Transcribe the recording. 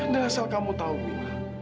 dan asal kamu tahu mila